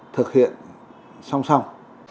thực hiện song song